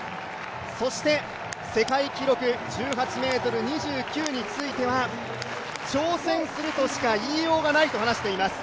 そして世界記録１８ｍ２９については挑戦するとしか言いようがないと話しています。